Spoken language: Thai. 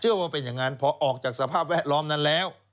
ว่าเป็นอย่างนั้นพอออกจากสภาพแวดล้อมนั้นแล้ว